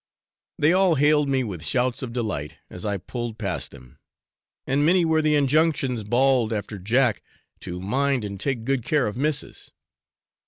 They all hailed me with shouts of delight, as I pulled past them, and many were the injunctions bawled after Jack, to 'mind and take good care of Missis!'